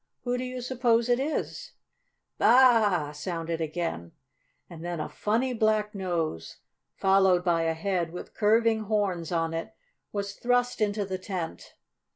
Who do you suppose it is?" "Baa a a a a!" sounded again, and then a funny black nose, followed by a head with curving horns on it, was thrust into the tent.